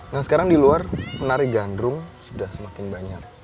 nah sekarang di luar penari gandrung sudah semakin banyak